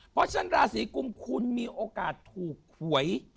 เพราะฉะนั้นราศีกุมคุณมีโอกาสถูกหวย